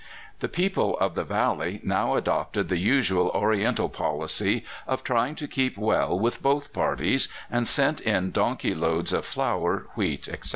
The people of the valley now adopted the usual Oriental policy of trying to keep well with both parties, and sent in donkey loads of flour, wheat, etc.